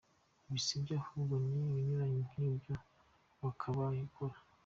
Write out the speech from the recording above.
Ibi sibyo ahubwo ni ikinyuranyo cy’ibyo wakabaye ukora.